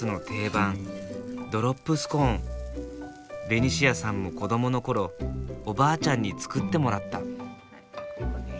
ベニシアさんも子どもの頃おばあちゃんに作ってもらった。